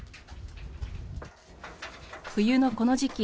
冬のこの時期